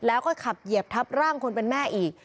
แล้วก็ขับเหยียบทับร่างคนเป็นแม่อีก